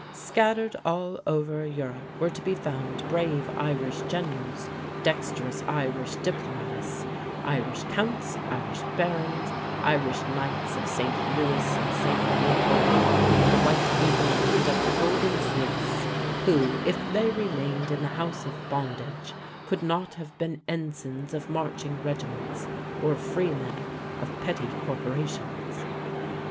Scattered all over Europe were to be found brave Irish generals, dexterous Irish diplomatists, Irish counts, Irish barons, Irish knights of St. Louis and St. Leopold, of the White Eagle, and of the Golden Fleece, who if they remained in the house of bondage, could not have been ensigns of marching regiments or freemen of petty corporations."